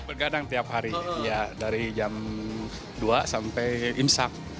bergadang setiap hari ya dari jam dua sampai imsak